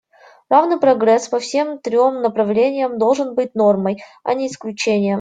Равный прогресс по всем трем направлениям должен быть нормой, а не исключением.